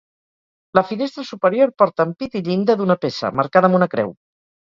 La finestra superior porta ampit i llinda d'una peça, marcada amb una creu.